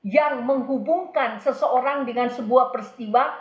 yang menghubungkan seseorang dengan sebuah peristiwa